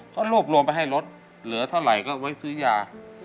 เขารวบรวมไปให้รถเหลือเท่าไหร่ก็ไว้ซื้อยา